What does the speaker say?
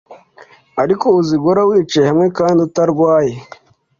Ariko uzi guhora wicaye hamwe kandi utarwaye